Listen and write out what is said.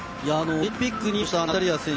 オリンピックにも出場したナタリア選手